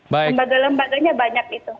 lembaga lembaganya banyak gitu